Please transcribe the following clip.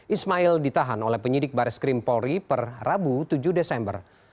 ismail ditahan oleh penyidik baris krim polri per rabu tujuh desember